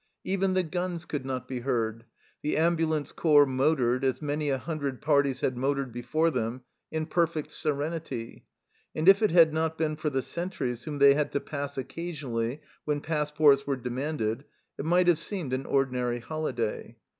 Even the guns could not be heard ; the ambulance corps motored, as many a hundred parties had motored before them, in perfect serenity; and if it had not been for the sentries whom they had to pass occasionally when passports were demanded, it might have seemed an ordinary holiday.